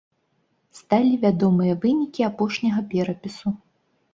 Сталі вядомыя вынікі апошняга перапісу.